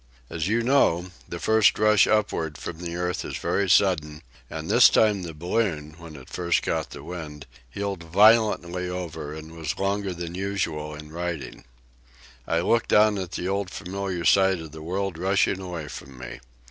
As you know, the first rush upward from the earth is very sudden, and this time the balloon, when it first caught the wind, heeled violently over and was longer than usual in righting. I looked down at the old familiar sight of the world rushing away from me.